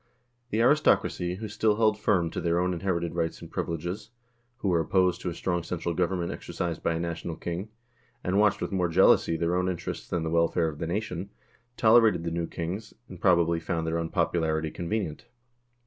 The aristocracy, who still held firmly to their own inherited rights and privileges, who were opposed to a strong central government exercised by a national king, and watched with more jealousy their own interests than the welfare of the nation, tolerated the new kings, and, probably, found their unpopularity convenient.